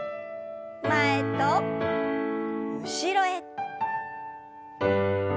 前と後ろへ。